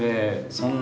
そんな